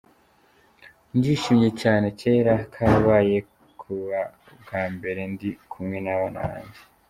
"Ndishimye cyane, kera kabaye, kuba bwa mbere ndi kumwe n'abana banjye".